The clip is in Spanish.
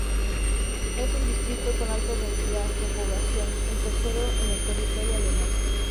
Es un distrito con alta densidad de población, el tercero en el territorio alemán.